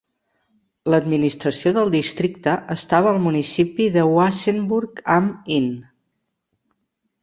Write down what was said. L'administració del districte estava al municipi de Wasserburg am Inn.